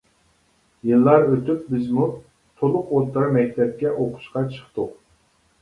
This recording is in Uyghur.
يىللار ئۆتۈپ بىزمۇ تۇلۇق ئوتتۇرا مەكتەپكە ئۇقۇشقا چىقتۇق.